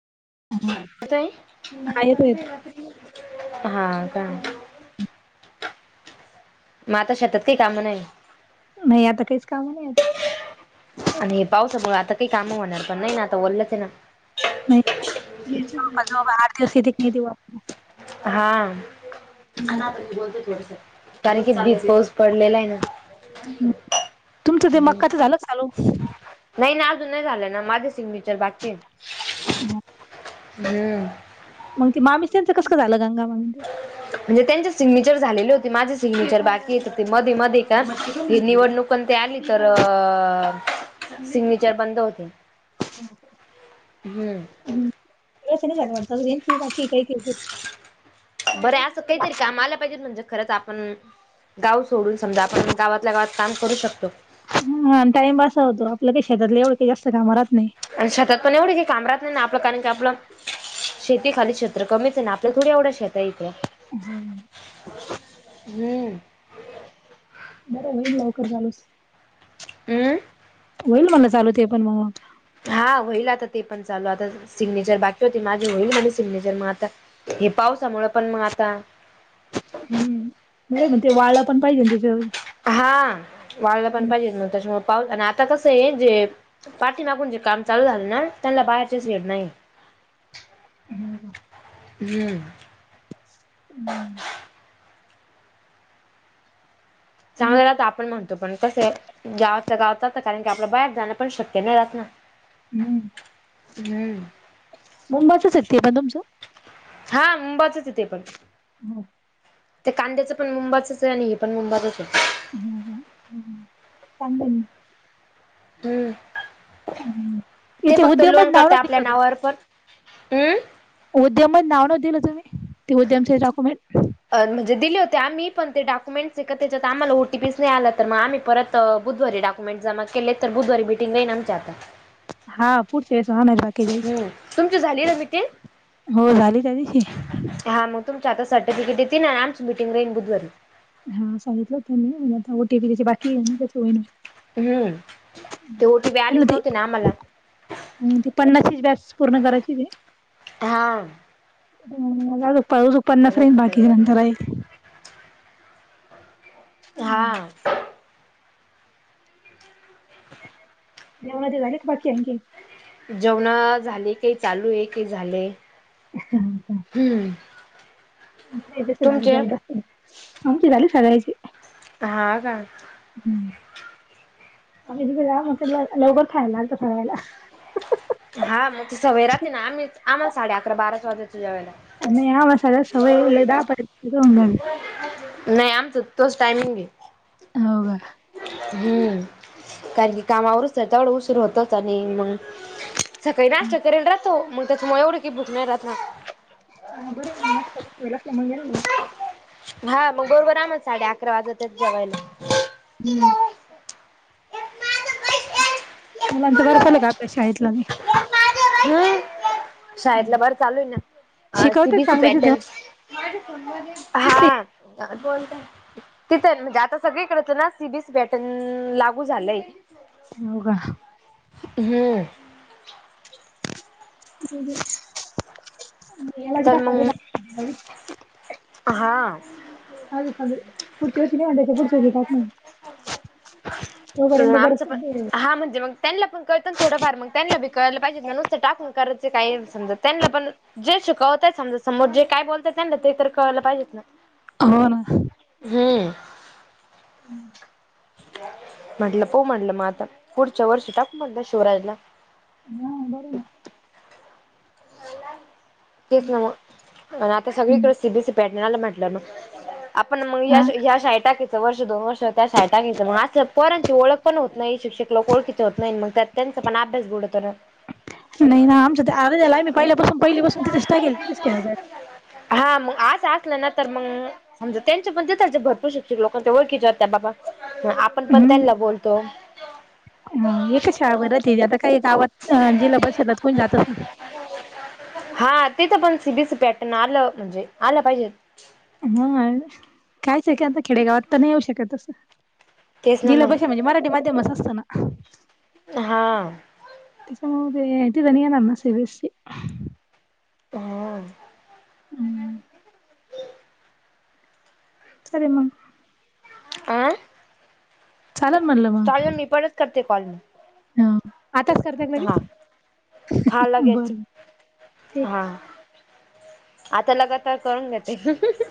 हा आता येतो येतो हा का [inaudible] म आता शेतात काय कामं नाही. नाही आता काहीच काम नाही आता. आणि हे पावसामुळे आता काही कामं होणार पण नाही ना आता ओलंच आहे ना. [inaudible] आर्थिक स्थिती क नाही दि वा [inaudible] हा.... कारण की बीस बौस पडलेला आहे ना [inaudible] तुमचं ते हम्म. मकाच झालं चालू? नाही ना नअजून ना झालं ना माज सिग्नेचर बाकी येत. हम्म मग ते मामीच्याचं कसं झालं गंगा मामी ते म्हणजे त्यांचे सिग्नेचर झालेले होते माझे सिग्नेचर बाकी येत ते मध्ये मध्ये का‌. ह निवडणूकण अणं ते आली तर अ सिग्नेचर बंद होते. हम्म हम्म. बाकी आहे काय काय [inaudible] बरं असं काहीतरी कामा आला पाहिजे म्हणजे करता. पण गाव सोडून समजा आपण गावातल्या गावात काम करू शकतो. हा आणि टाइम ब असा होतो आपलं काही शेतातले एवढं काही जास्त काम राहत नाही. आणि शेतात पण एवढे की काम राहत नाही ना आपलं कारण की आपलं शेती खाली क्षेत्र कमीच आहे ना आपल्या थोडी एवढं शेत आहे इथे. हम्म हम्म बरं होईल लवकर चालूस. हम्म होईल म्हण चालू ते पण मग. हा होईल आता ते पण चालू आता, सिग्नेचर बाकी होती माझी होईल म्हणे सिग्नेचर मग आता. हे पावसामुळे पण मग आता. हम्म नाही मग ते वाळा पण पाहिजे तीथ. हा वाळलं पण पाहिजेत म त्यांच्यामुळे पाऊस आणि आता कसं आहे जे पाठी मागून जे काम चालू झाले ना त्यांना बाहेरचेच येत नाही. हम्म हम्म हम्म चांगलं ना तर आपण म्हणतो पण कसं आहे. गावतल्या गावात कारण की आपलं बाहेर जान पण शक्य नाही रात ना. हम्म हम्म. मुंबयच येत पण तुमचं. हा मुंबाचच येथे. हम्म ते कांद्याचं पण मुंबाच आहे आणि हे पण मुंबातच आहे हो सांग म [inaudible] हम्म हम्म ते इथे फक्त उद्यमच लोन नाव करत नव्हती आपल्या का नावावर पण हम्म उद्यम मण नाव न दिलं तुम्ही ते उद्यमचे डॉक्युमेंट. अ म्हणजे दिले होते आम्हीण ते डॉक्युमेंटस का त्याच्यात आम्हाला ओ टी पीच नाही आला तर मग आम्ही परत बुधवारी डॉक्युमेंट जमा केलेत तर बुधवारी बीटिंगय ना आमची आता. हा पुढच्या वेळेस आणाय लागलं. हम्म तुमची झाली ना मिटिंग? [unintelligible] हो झाली त्यादिवशी. तुमच आता सर्टिफिके देतील आणि आमची मिटिंग राहीन बुधवारी. हा सांगितलं त्यांनी म्हणजे आता ओ टी पी त्या बाकी आहे ना [unintelligible] हम्म ते ओ टी पि त्यांना आलीच ते नव्हते ना आम्हाला. हम्म ती पन्नाचीच बॅचपूर्ण करायची ते. हा [unintelligible] हा ह्यामध्ये झालीत बाकी आणखी, जेवण झाले की चालू आहे की झालंय? बरं हम्म [unintelligible] तुमचे आमची झाली सगळाची. हा का हम्म [unintelligible] लवकरच खायला लागत सगळ्याला, हा मग त सवय राहते ना आम्ही आम्हाला साडे अकरा बाराच वाजचे जेवायला. नाही आम्हा सगळ्या सवय हे लई दहा पर्यंत [unintelligible] नाही आमच तोच टायमिंग य. हो का हम्म कारण की कामावरच तेवढं उशीर होतोच आणि मग सकाळी नाश्ता करेल राहतो मग त्याच्यामुळे एवढं की भूक नाही राहत ना. हा बर हाय की मग नाश्ता [unintelligible] हा मग बरोबर आम साडे अकरा वाजतच जेवायला. हम्म मुलांचं बर झालं का आपल्या शाळेतलानी. शाळेतल बर चालू आहे ना अ सी शिकवते बी एस सी चांगलं तिथं पेटर्न दिसते हा तिथ म्हणजे आता सगळीकडच ना C B S C pattern लागू झालंय. हो का हम्म तर मग [unintelligible] हा अल सगळे पुढच्यार्वंशी नाही आणयच पुढच्यार्वंशी [unintelligible] तोपर्यंत आमचं बरस पण हा म्हणजे मग त्यांना पण कळतं ना थोडंफार मग त्यांना बी कळायला पाहिजे ना नुसत टाकून करायचं काय समजा त्यांना पण जे शिकवताय समजा समोर जे काय बोलतायत त्यांना ते तर कळल पाहिजेत ना. हो ना हम हम्म म्हंटलं पाऊ म्हटलं मग आता पुढच्या वर्षी टाकु म्हटलं शिवराजला. हा बरं ना. तेच ना मग आता हम्म सगळीकडे C B S C pattern आलं म्हटलं ना. आपण मग या हा ह्या शाळेत टाकिन. वर्ष दोन वर्ष त्या शाळेत टाकायच मग असं पोरांची ओळखपण होत नाही शिक्षक लोक ओळखीच होत नाही मग त्यात. त्यांचा पण अभ्यास बुडतोन. नाही ना आमच आज्याला आम्ही पहिल्यापासुन पहिली पाासून तिथच टाकेल ति तेज. हा मग असं असलं तर मग. समजा त्यांचे पण देतात जे भरपूर शिक्षक लोक ते ओळखीच्या होत बाबा आपण पण त्यांना बोलतो. ह एक शाळा भरती आता काही गावात जिल्हा परिषदात कोणी जातच नाही. हा तिथं पण सीबीसी पॅटर्न आलं म्हणजे आलं पाहिजे. हा कायच आहे की आता खेडेगावात तर नाही येऊ शकत अससं. तेच ना जिल्हा मग परीषद म्हणजे मराठी माध्यमच असत ना. हा. त्याच्यामुळे त णी ये नाना से बेसी. हन. हम्म. अरे मंग. चालेल म्हणलं मग चालन मी परत करते कॉल हा, आताच करते का लगेच हा. हा लगेच बरं ठीक हा. आता लगातार करून घेते.